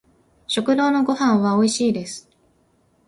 食堂のご飯は美味しいです